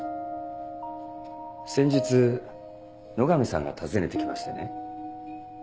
先日野上さんが訪ねて来ましてね。